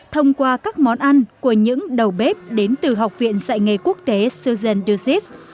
thông qua các món ăn của những đầu bếp đến từ học viện dạy nghề quốc tế susan ducis